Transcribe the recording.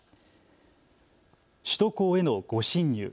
首都高への誤進入。